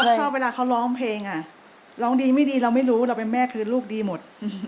ชอบเวลาเขาร้องเพลงอ่ะร้องดีไม่ดีเราไม่รู้เราเป็นแม่คือลูกดีหมด